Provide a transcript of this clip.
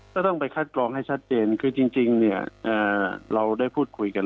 แล้วต้องไปคัดกรองให้ชัดเจนที่จริงเราพูดคุยกัน